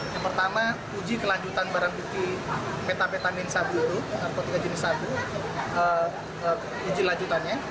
yang pertama uji kelanjutan barang bukti metapetamin sabu itu narkotika jenis sabu uji lanjutannya